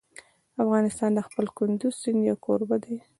افغانستان د خپل کندز سیند یو کوربه دی.